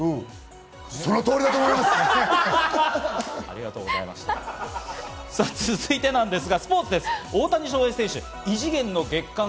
その通りだと思います。